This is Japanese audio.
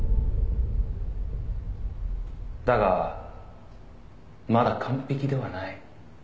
「だがまだ完璧ではない」